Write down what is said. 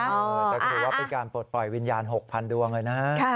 แต่ก็ถือว่าเป็นการปลดปล่อยวิญญาณ๖๐๐ดวงเลยนะฮะ